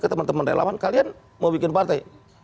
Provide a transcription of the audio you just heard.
ke temen temen relawan kalian mau bikin partai